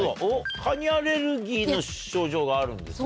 カニアレルギーの症状があるんですね。